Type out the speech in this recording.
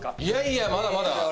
いやいやまだまだ。